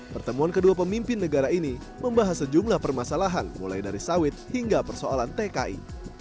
pertemuan kedua pemimpin negara ini membahas sejumlah permasalahan mulai dari sawit hingga persoalan tki